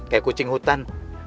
kayak kucing hutan